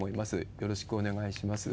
よろしくお願いします。